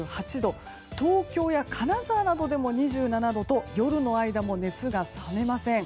東京や金沢などでも２７度と夜の間も熱が冷めません。